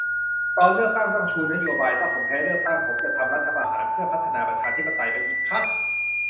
ตอนเลือกตั้งต้องชูนโยบาย ถ้าผมแพ้เลือกตั้ง ผมจะทำรัฐประหารเพื่อพัฒนาประชาธิปไตยไปอีกขั้น